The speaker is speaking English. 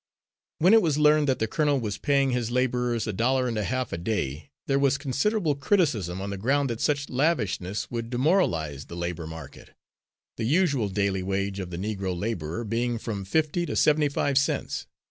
When it was learned that the colonel was paying his labourers a dollar and a half a day, there was considerable criticism, on the ground that such lavishness would demoralise the labour market, the usual daily wage of the Negro labourer being from fifty to seventy five cents.